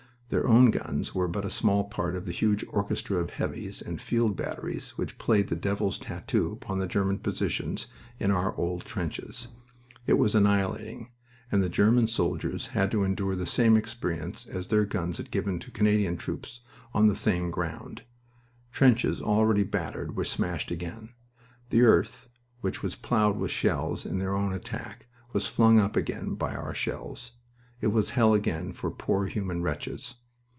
Their own guns were but a small part of the huge orchestra of "heavies" and field batteries which played the devil's tattoo upon the German positions in our old trenches. It was annihilating, and the German soldiers had to endure the same experience as their guns had given to Canadian troops on the same ground. Trenches already battered were smashed again. The earth, which was plowed with shells in their own attack, was flung up again by our shells. It was hell again for poor human wretches.